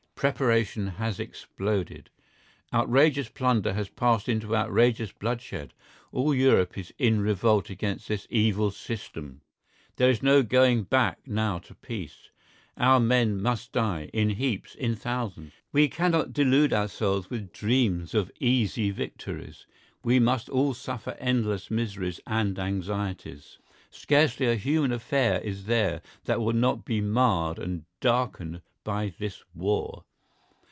Preparation has exploded. Outrageous plunder has passed into outrageous bloodshed. All Europe is in revolt against this evil system. There is no going back now to peace; our men must die, in heaps, in thousands; we cannot delude ourselves with dreams of easy victories; we must all suffer endless miseries and anxieties; scarcely a human affair is there that will not be marred and darkened by this war.